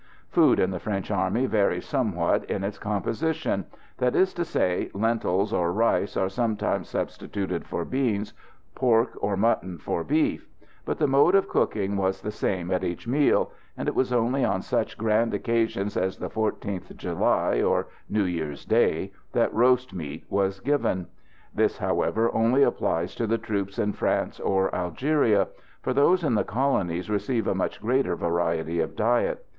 Food in the French army varies somewhat in its composition that is to say, lentils or rice are sometimes substituted for beans, pork or mutton for beef; but the mode of cooking was the same at each meal, and it was only on such grand occasions as the 14th July or New Year's Day that roast meat was given. This, however, only applies to the troops in France or Algeria, for those in the Colonies receive a much greater variety of diet.